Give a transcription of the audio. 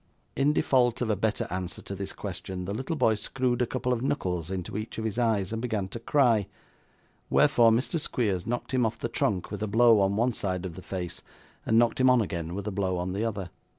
In default of a better answer to this question, the little boy screwed a couple of knuckles into each of his eyes and began to cry, wherefore Mr Squeers knocked him off the trunk with a blow on one side of the face, and knocked him on again with a blow on the other.